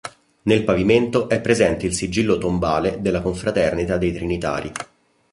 Nel pavimento è presente il sigillo tombale della confraternita dei Trinitari.